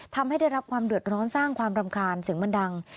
ทำให้ได้รับความเดือดร้อนสร้างความรำคาญเสียงมันดัง